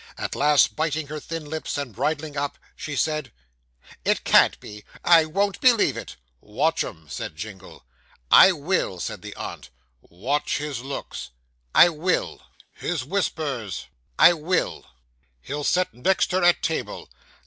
At last, biting her thin lips, and bridling up, she said 'It can't be. I won't believe it.' 'Watch 'em,' said Jingle. 'I will,' said the aunt. 'Watch his looks.' 'I will.' 'His whispers.' 'I will.' 'He'll sit next her at table.